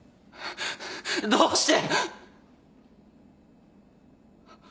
どうして！？